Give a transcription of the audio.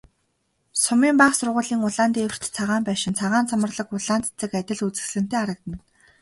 Сумын бага сургуулийн улаан дээвэрт цагаан байшин, цагаан цоморлог улаан цэцэг адил үзэсгэлэнтэй харагдана.